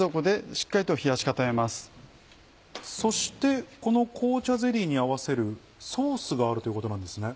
そしてこの紅茶ゼリーに合わせるソースがあるということなんですね？